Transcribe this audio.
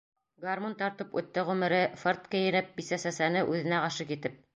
Гармун тартып үтте ғүмере, фырт кейенеп, бисә-сәсәне үҙенә ғашиҡ итеп.